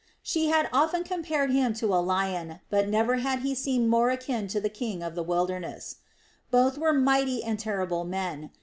She had often compared him to a lion, but never had he seemed more akin to the king of the wilderness. Both were mighty and terrible men.